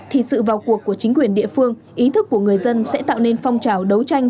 thì sự vào cuộc của chính quyền địa phương ý thức của người dân sẽ tạo nên phong trào đấu tranh